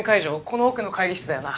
この奥の会議室だよな。